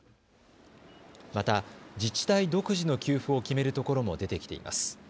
また、自治体独自の給付を決めるところも出てきています。